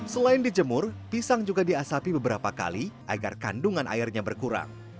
selain dijemur pisang juga diasapi beberapa kali agar kandungan airnya berkurang